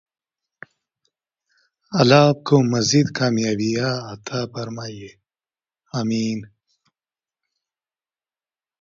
الله آپکو مزید کامیابیاں عطا فرمائے ۔آمین